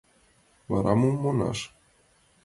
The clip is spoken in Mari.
Вара мом манаш?